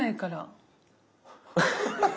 ハハハハ！